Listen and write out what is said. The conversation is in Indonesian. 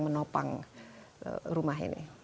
menopang rumah ini